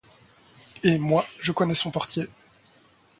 Et moi, je connais son portier.